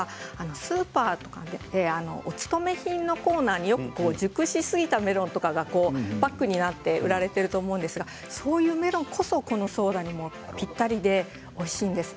スーパーとかでおつとめ品のコーナーによく熟しすぎたメロンとかがパックになって売られていると思うんですがそういったメロンこそこの生メロンソーダにぴったりでおいしいです。